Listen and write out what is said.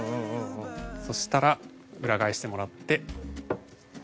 そしたら裏返してもらってこちらを。